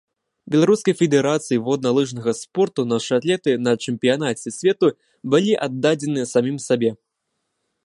Беларускай федэрацыі водна-лыжнага спорту нашы атлеты на чэмпіянаце свету былі аддадзеныя самім сабе.